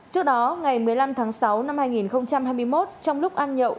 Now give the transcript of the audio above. trước đó ngày một mươi năm tháng sáu năm hai nghìn hai mươi một trong lúc ăn nhậu